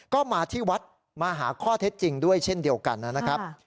ก็มาที่วัดมาหาข้อเท็จจริงด้วยเช่นเดียวกันนะครับ